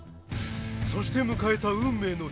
そして迎えた運命の日。